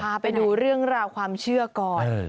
พาไปดูเรื่องราวความเชื่อก่อน